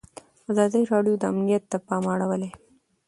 ازادي راډیو د امنیت ته پام اړولی.